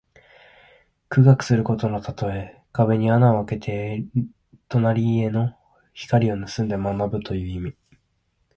苦学することのたとえ。壁に穴をあけて隣家の光をぬすんで学ぶという意味。